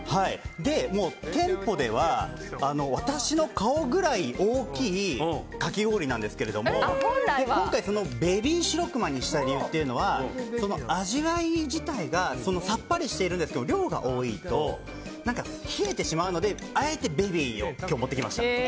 店舗では私の顔ぐらい大きいかき氷なんですけど今回はベビー白熊にしたというのは味わい自体がさっぱりしてるんですけど量が多いと冷えてしまうのであえてベビーを今日持ってきました。